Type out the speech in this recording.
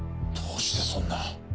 どうしてそんな。